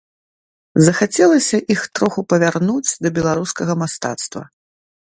Захацелася іх троху павярнуць да беларускага мастацтва.